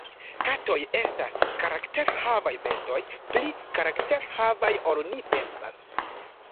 Katoj estas karakterhavaj bestoj, pli karakterhavaj ol ni pensas.